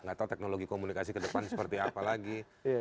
nggak tahu teknologi komunikasi ke depan seperti apa lagi